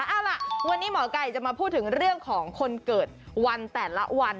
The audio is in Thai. เอาล่ะวันนี้หมอไก่จะมาพูดถึงเรื่องของคนเกิดวันแต่ละวัน